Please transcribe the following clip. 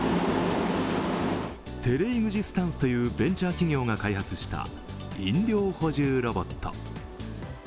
テレイグジスタンスというベンチャー企業が開発した飲料補充ロボット。